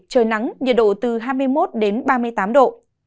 trời nắng nhiệt độ từ hai mươi một đến ba mươi tám độ